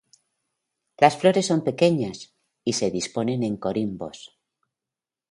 Las flores son pequeñas y se disponen en corimbos.